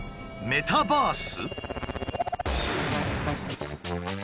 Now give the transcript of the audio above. メタバース？